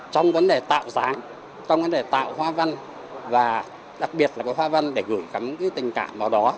trong vấn đề tạo dáng trong vấn đề tạo hoa văn và đặc biệt là hoa văn để gửi gắm cái tình cảm vào đó